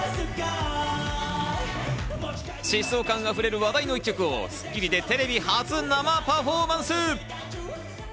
疾走感溢れる話題の曲を『スッキリ』でテレビ初生パフォーマンス。